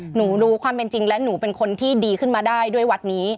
หนูรู้ความเป็นจริงและหนูเป็นคนที่ดีขึ้นมาได้ด้วยวัดนี้